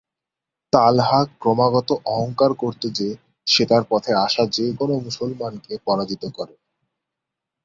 তালহা ক্রমাগত অহংকার করত যে, সে তার পথে আসা যে কোন মুসলমানকে পরাজিত করে।